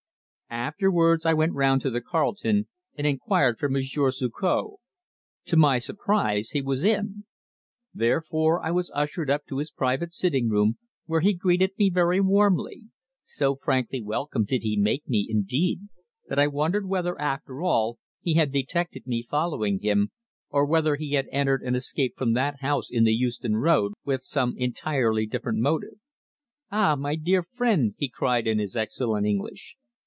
Afterwards I went round to the Carlton and inquired for Monsieur Suzor. To my surprise he was in. Therefore I was ushered up to his private sitting room, where he greeted me very warmly so frankly welcome did he make me, indeed, that I wondered whether, after all, he had detected me following him, or whether he had entered and escaped from that house in the Euston Road with some entirely different motive. "Ah, my dear friend!" he cried in his excellent English.